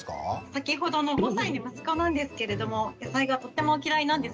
先ほどの５歳の息子なんですけれども野菜がとっても嫌いなんですね。